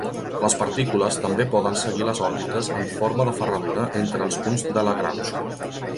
Les partícules també poden seguir les òrbites en forma de ferradura entre els punts de Lagrange.